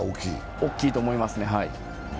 大きいと思いますね。